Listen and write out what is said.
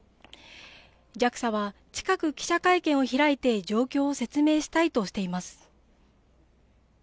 ＪＡＸＡは近く記者会見を開いて状況を説明したいとしています。